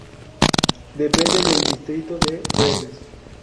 Depende del distrito de Rennes.